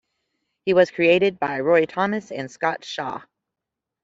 He was created by Roy Thomas and Scott Shaw.